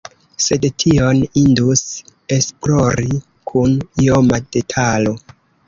Sed tion indus esplori kun ioma detalo.